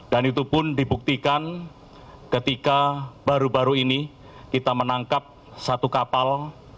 dan itu pun dibuktikan ketika baru baru ini kita menangkap satu kapal